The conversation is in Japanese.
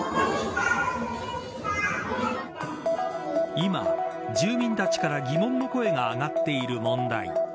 今、住民たちから疑問の声が上がっている問題